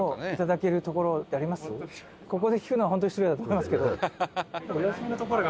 「ここで聞くのは本当に失礼だと思いますけど」